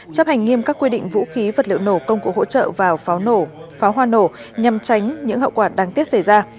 chấp hành nghiêm các quy định vũ khí vật liệu nổ công cụ hỗ trợ vào pháo hoa nổ nhằm tránh những hậu quả đáng tiếc xảy ra